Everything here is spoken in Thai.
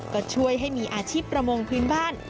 ก็ช่วยให้มีอาชีพประมงพื้นบ้าน